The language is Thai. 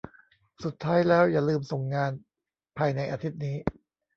สุดท้ายแล้วอย่าลืมส่งงานภายในอาทิตย์นี้